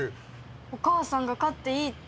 お母さんが飼っていいって。